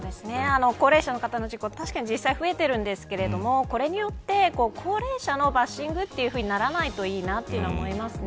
高齢者の方の事故は確かに増えていますがこれによって高齢者のバッシングというふうにならないといいなと思います。